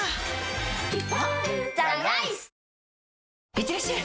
いってらっしゃい！